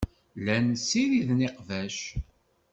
Llan ssiriden iqbac.